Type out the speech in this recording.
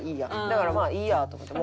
だからまあいいやと思って。